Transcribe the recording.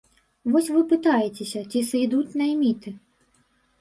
Вось вы пытаецеся, ці сыдуць найміты.